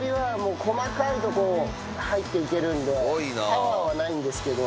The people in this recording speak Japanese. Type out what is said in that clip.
パワーはないんですけど。